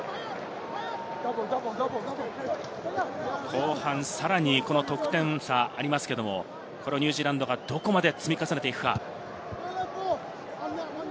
後半、さらに得点差がありますけれども、ニュージーランドがどこまで積み重ねていくか。